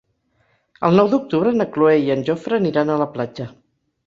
El nou d'octubre na Cloè i en Jofre aniran a la platja.